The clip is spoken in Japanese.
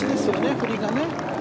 振りがね。